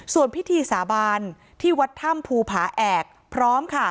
ส่วนพิธีสาบานที่วัดถ้ำภูผาแอกพร้อมค่ะ